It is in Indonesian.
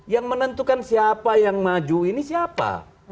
yang menentukan siapa yang maju ini siapa